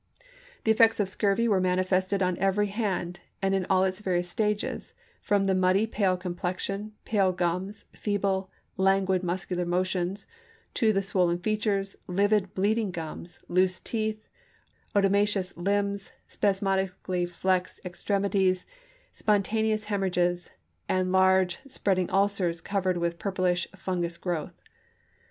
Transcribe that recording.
ibid., p. 62* The effects of scurvy were manifested on every hand, and in all its various stages, from the muddy, pale complexion, pale gums, feeble, languid mus cular motions to the swollen features, livid, bleeding gums, loose teeth, oedematous limbs, spasmodically flexed extremities, spontaneous hem orrhages, and large, spreading ulcers covered with purplish, fungous growth.